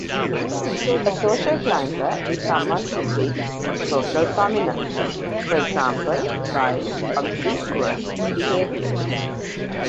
A social climber is someone who seeks social prominence, for example by obsequious behavior.